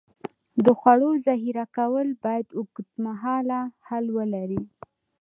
د خوړو ذخیره کول باید اوږدمهاله حل ولري.